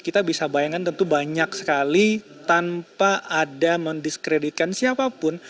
kita bisa bayangkan tentu banyak sekali tanpa ada mendiskreditkan siapapun